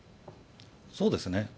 そうですね。